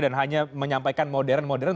dan hanya menyampaikan modern modern